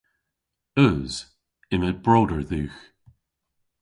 Eus. Yma broder dhywgh.